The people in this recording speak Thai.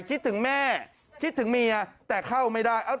คิดถึงแม่คิดถึงเมียแต่เข้าไม่ได้